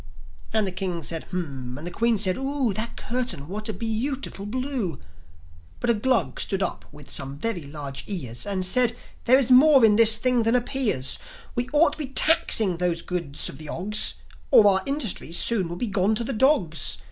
And the King said, "Hum," and the Queen said, "Oo! That curtain! What a bee ootiful blue!" But a Glug stood up with some very large ears, And said, "There is more in this thing than appears! And we ought to be taxing those goods of the Ogs, Or our industries soon will be gone to the dogs."